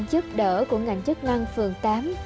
giúp đỡ của ngành chức năng phương tám